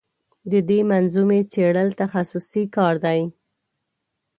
د دې منظومې څېړل تخصصي کار دی.